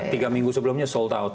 tiga minggu sebelumnya sold out